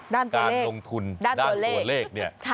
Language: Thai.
ด้านตัวเลขด้านตัวเลขค่ะด้านตัวเลข